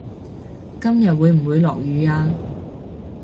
今日會唔會落雨呀